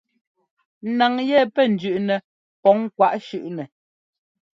Naŋ yɛ pɛ́ jʉ́ꞌnɛ pɔŋ kwaꞌ shʉ́ꞌnɛ.